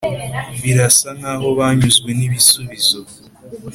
birasa nkaho banyuzwe nibisubizo.